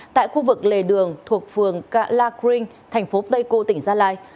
tại khu vực lề đường thuộc phường cà la crinh thành phố tây cô tỉnh gia lai